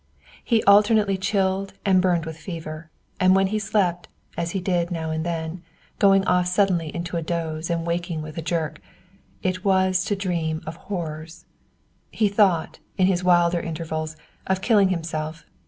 He alternately chilled and burned with fever, and when he slept, as he did now and then, going off suddenly into a doze and waking with a jerk, it was to dream of horrors. He thought, in his wilder intervals, of killing himself.